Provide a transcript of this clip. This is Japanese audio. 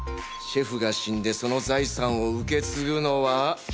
シェフが死んでその財産を受け継ぐのは。